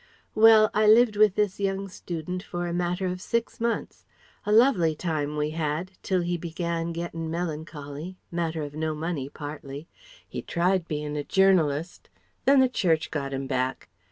"Well, I lived with this young student for a matter of six months. A lovely time we had, till he began gettin' melancholy matter of no money partly. He tried bein' a journalist. "Then the Church got him back.